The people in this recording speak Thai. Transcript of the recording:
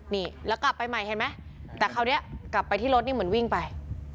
นี่แล้วกลับไปใหม่เห็นไหมแต่คราวนี้กลับไปที่รถนี่เหมือนวิ่งไป